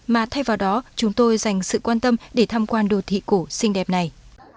mà thay vào đó chúng tôi dành sự quan tâm để tham quan đô thị cổ xinh đẹp này